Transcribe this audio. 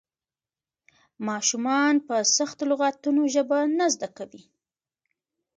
ماشومان په سختو لغتونو ژبه نه زده کوي.